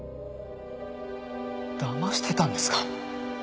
だましてたんですか？